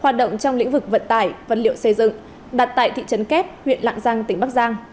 hoạt động trong lĩnh vực vận tải vật liệu xây dựng đặt tại thị trấn kép huyện lạng giang tỉnh bắc giang